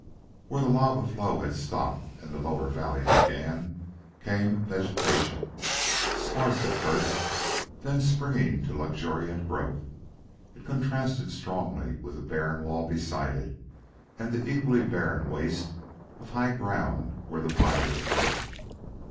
Where the lava flow had stopped and the lower valley began, came vegetation. Sparse at first, then springing to luxuriant growth, it contrasted strongly with the barren wall beside it and the equally barren waste of high ground where the fires were.